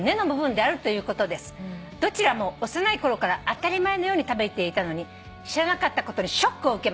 「どちらも幼い頃から当たり前のように食べていたのに知らなかったことにショックを受けました」